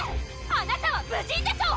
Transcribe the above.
あなたは武人でしょう！